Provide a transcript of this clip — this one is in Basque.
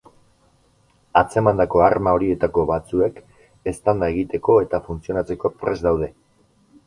Atzemandako arma horietako batzuek, eztanda egiteko eta funtzionatzeko prest daude.